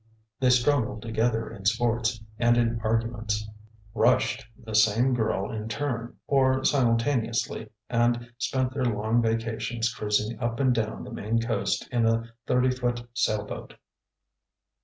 They struggled together in sports and in arguments, "rushed" the same girl in turn or simultaneously, and spent their long vacations cruising up and down the Maine coast in a thirty foot sail boat.